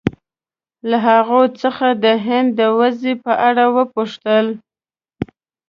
له هغوی څخه یې د هند د وضعې په اړه وپوښتل.